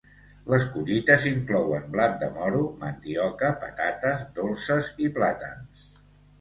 Les collites inclouen blat de moro, mandioca, patates dolces, i plàtans.